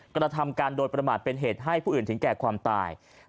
กระทำการโดยประมาทเป็นเหตุให้ผู้อื่นถึงแก่ความตาย